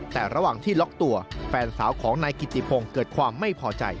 แต่ระหว่างที่ล็อกตัวแฟนสาวของนายกิติพงศ์เกิดความไม่พอใจ